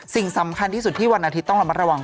สิ่งสำคัญที่สุดที่วันอาทิตย์ต้องระมัดระวัง